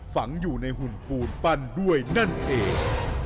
ฝังอยู่ในหุ่นปูนปั้นด้วยนั่นเอง